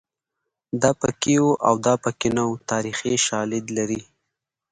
دا پکې وو او دا پکې نه وو تاریخي شالید لري